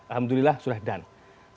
alhamdulillah sudah done